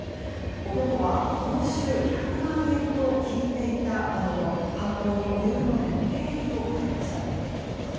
男は報酬１００万円と聞いていたなどと犯行に及ぶまでの経緯を語りました。